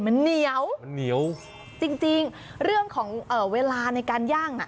มันเหนียวมันเหนียวจริงจริงเรื่องของเอ่อเวลาในการย่างอ่ะ